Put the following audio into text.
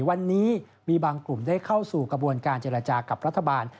วันนี้มีบางกลุ่มได้เข้าสู่กระบวนการเจรจากับรัฐบาล